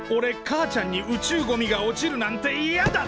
母ちゃんに宇宙ゴミが落ちるなんてやだ！